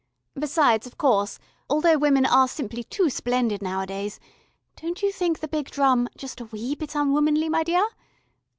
Besides, of course, although women are simply too splendid nowadays, don't you think the big drum just a wee bit unwomanly, my dear.